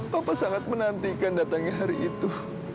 papa sangat menantikan datangnya hari itu